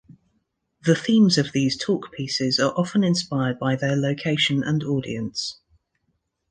The themes of these "talk-pieces" are often inspired by their location and audience.